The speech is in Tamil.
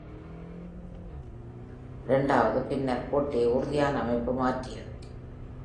இரண்டாவது, பின்னர் கோட்டையை உறுதியான அமைப்பு மாற்றியது.